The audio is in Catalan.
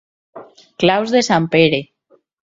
Claus de sant Pere.